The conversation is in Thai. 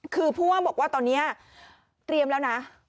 คือผู้ว่าบอกว่าตอนนี้เตรียมแล้วนะ